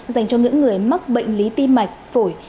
dành cho những người mắc bệnh lý tim mạch phổi